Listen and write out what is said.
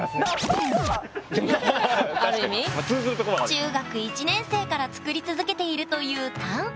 中学１年生から作り続けているという短歌。